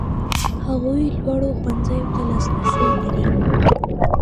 هغوی لوړو ښوونځیو ته لاسرسی لري.